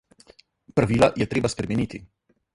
Pravila je treba spremeniti.